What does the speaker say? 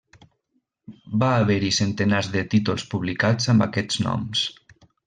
Va haver-hi centenars de títols publicats amb aquests noms.